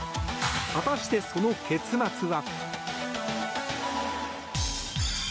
果たして、その結末は。